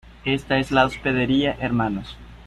esta es la hospedería, hermanos.